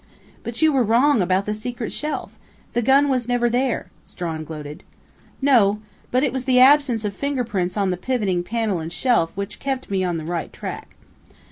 "But you were wrong about the secret shelf! The gun was never there!" Strawn gloated. "No. But it was the absence of fingerprints on the pivoting panel and shelf which kept me on the right track.